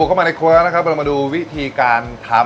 บุกเข้ามาในครัวแล้วเรามาดูวิธีการทำ